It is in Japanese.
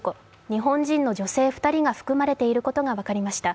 日本人の女性２人が含まれていることが分かりました。